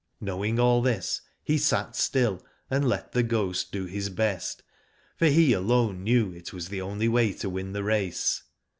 Knowing all this, he sat still and let The Ghost do his best, for he alone knew it was the only way to win the race.